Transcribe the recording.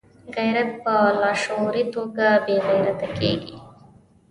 غیرت په لاشعوري توګه بې غیرته کېږي.